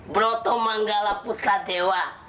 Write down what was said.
broto menggalap butlah dewa